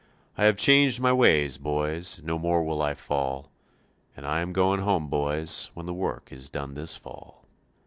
I have changed my ways, boys, no more will I fall; And I am going home, boys, when work is done this fall.